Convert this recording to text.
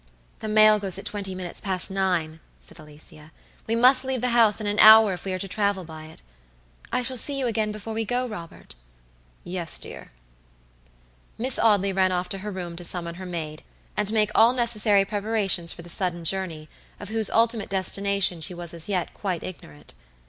"The mail goes at twenty minutes past nine," said Alicia; "we must leave the house in an hour if we are to travel by it. I shall see you again before we go, Robert?" "Yes, dear." Miss Audley ran off to her room to summon her maid, and make all necessary preparations for the sudden journey, of whose ultimate destination she was as yet quite ignorant.